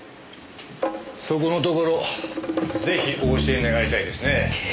そこのところぜひお教え願いたいですね。